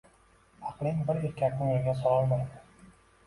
Aqling bir erkakni yoʻlga sololmaydi.